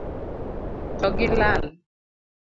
To gi lal.